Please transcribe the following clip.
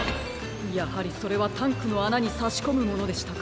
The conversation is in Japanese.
やはりそれはタンクのあなにさしこむものでしたか。